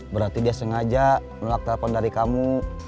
berarti dia sengaja menolak telepon dari kamu